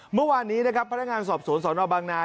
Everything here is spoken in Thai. เมื่อวานนี้พลังงานสอบศูนย์สลบางนา